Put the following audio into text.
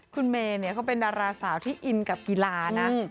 คุณเมย์เขาเป็นดาราสาวที่อินกับกีฬานะ